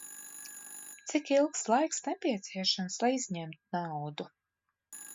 Cik ilgs laiks nepieciešams, lai izņemtu naudu?